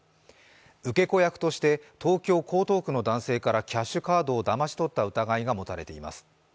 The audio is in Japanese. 受け子役として、東京・江東区の男性からキャッシュカードをだまし取った疑いが持たれています。